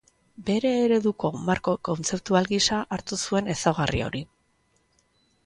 Bere ereduko marko kontzeptual gisa hartu zuen ezaugarri hori.